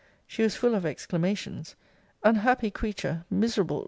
She was full of exclamations! Unhappy creature! miserable!